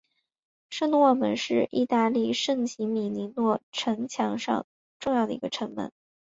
圣若望门是意大利圣吉米尼亚诺城墙上最重要的一个城门。